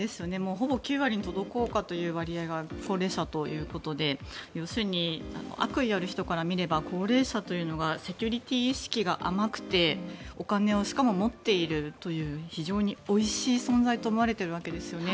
ほぼ９割に届こうかという割合が高齢者ということで要するに悪意ある人から見れば高齢者というのがセキュリティー意識が甘くてお金をしかも持っているという非常においしい存在と思われているわけですよね。